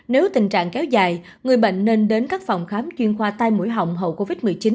nếu tình trạng kéo dài người bệnh nên đến các phòng khám chuyên khoa tai mũi họng hậu covid một mươi chín